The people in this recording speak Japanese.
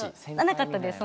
なかったです